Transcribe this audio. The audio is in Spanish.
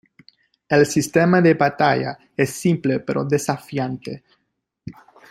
El sistema de batalla es simple pero desafiante.